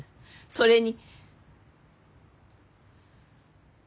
それに。